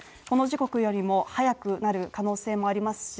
この時刻よりも早くなる可能性もあります